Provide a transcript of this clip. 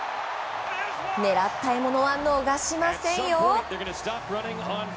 狙った獲物は逃しませんよ！